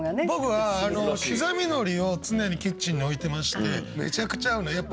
僕は刻みのりを常にキッチンに置いてましてめちゃくちゃ合うの。